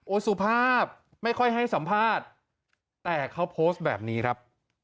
สุภาพไม่ค่อยให้สัมภาษณ์แต่เขาโพสต์แบบนี้ครับ